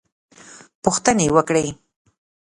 پوښتنې وکړې.